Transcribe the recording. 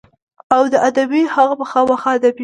او د ادبي هغه به خامخا ادبي وي.